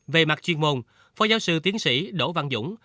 về mặt chuyên môn phó giáo sư tiến sĩ đỗ văn dũng